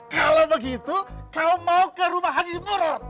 kalau begitu kau mau ke rumah haji muron